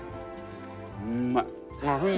うんまい。